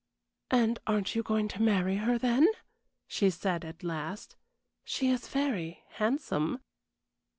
"And aren't you going to marry her, then?" she said, at last. "She is very handsome."